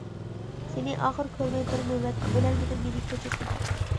سېنى ئاخىر كۆرمەي بىر نۆۋەت، ئۆلەلمىدىم مېنى كەچۈرگىن.